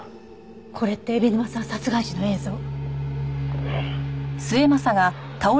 これって海老沼さん殺害時の映像？